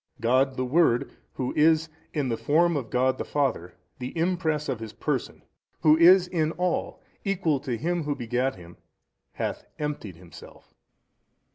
A. God the Word Who is in the Form of God the Father, the Impress of His Person, Who is in all Equal to Him Who begat Him, hath emptied Himself.